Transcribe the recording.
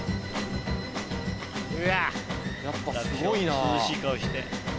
楽勝涼しい顔して。